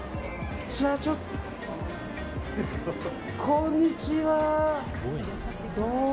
こんにちは。